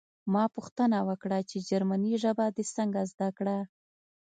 ما پوښتنه وکړه چې جرمني ژبه دې څنګه زده کړه